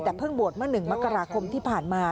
แต่เพิ่งบวชเมื่อ๑มกราคมที่ผ่านมา